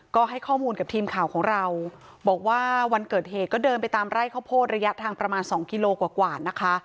ก็ให้ข้อมูลกับทีมข่าวของเราบอกว่าวันเกิดเหตุก็เดินไปตามไร่ข้าวโพดระยะทางประมาณ๒กิโลกว่านะคะ